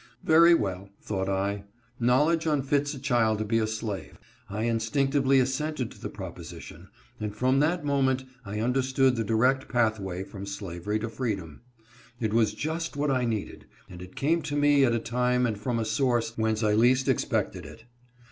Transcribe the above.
" Yery well," thought I. " Knowledge unfits a child to be a slave." I instinctively assented to the pro position, and from that moment I understood the direct pathway from slavery to freedom. It was just what I needed, and it came to me at a time and from a source whence I least expected it.